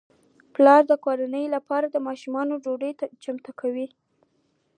پلار د کورنۍ لپاره د ماښام ډوډۍ چمتو کړه.